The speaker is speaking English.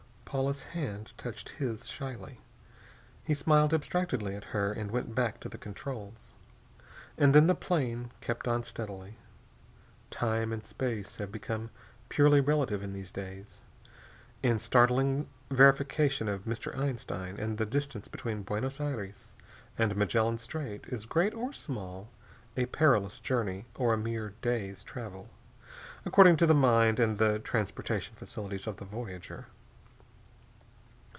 Paula's hand touched his shyly. He smiled abstractedly at her and went back to the controls. And then the plane kept on steadily. Time and space have become purely relative in these days, in startling verification of Mr. Einstein, and the distance between Buenos Aires and Magellan Strait is great or small, a perilous journey or a mere day's travel, according to the mind and the transportation facilities of the voyager.